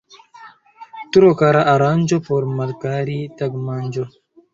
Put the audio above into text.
Tro kara aranĝo por malkara tagmanĝo.